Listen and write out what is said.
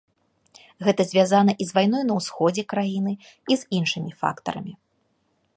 Гэта звязана і з вайной на ўсходзе краіны, і з іншымі фактарамі.